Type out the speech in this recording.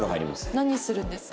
何するんですか？